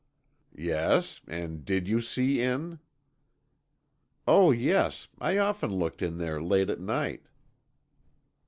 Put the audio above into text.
"Yes, and did you see in?" "Oh, yes, I often looked in there late at night."